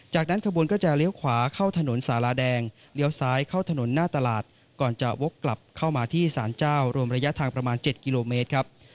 จากนั้นขบวนก็จะเลี้ยวขวาเข้าถนนสาราแดงเลี้ยวซ้ายเข้าถนนหน้าตลาดก่อนจะวกกลับเข้ามาที่สารเจ้ารวมระยะทางประมาณ๗กิโลเมตรครับ